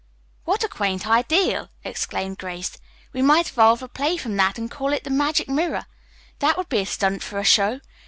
"What a quaint idea!" exclaimed Grace. "We might evolve a play from that and call it 'The Magic Mirror.' That would be a stunt for a show.